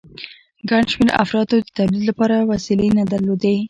ګڼ شمېر افرادو د تولید لپاره وسیلې نه درلودې